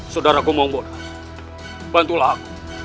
sudara gombongbona bantulah aku